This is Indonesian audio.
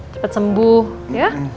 cepat sembuh ya